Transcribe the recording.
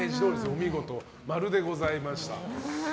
お見事○でございました。